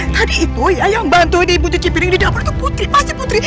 tadi itu yang bantu putri cipiring di dapur itu putri